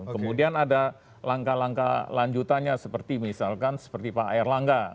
kemudian ada langkah langkah lanjutannya seperti misalkan seperti pak erlangga